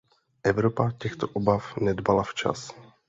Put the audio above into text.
Evropa těchto obav nedbala včas.